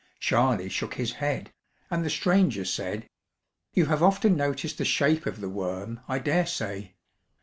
Charley shook his head, and the stranger said: "You have often noticed the shape of the worm, I dare say.